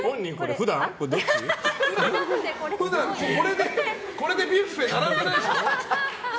普段、これでビュッフェ並んでないでしょ。